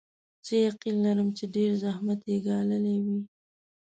زه یقین لرم چې ډېر زحمت یې ګاللی وي.